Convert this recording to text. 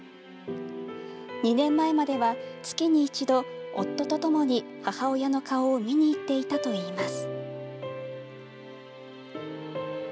２年前までは、月に一度夫とともに母親の顔を見に行っていたといいます。